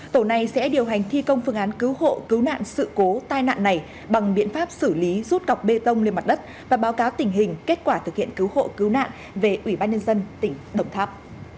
tổ này sẽ điều hành thi công phương án cứu hộ cứu nạn sự cố tai nạn này bằng biện pháp xử lý rút gọc bê tông lên mặt đất và báo cáo tình hình kết quả thực hiện cứu hộ cứu nạn về ubnd tỉnh đồng tháp